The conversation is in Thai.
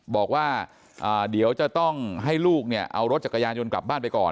บอกว่าเดี๋ยวจะต้องให้ลูกเนี่ยเอารถจักรยานยนต์กลับบ้านไปก่อน